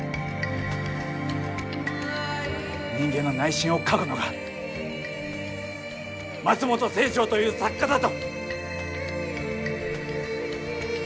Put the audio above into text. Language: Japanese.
人間の内心を書くのが松本清張という作家だと！